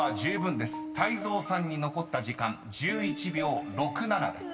［泰造さんに残った時間１１秒６７です］